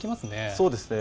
そうですね。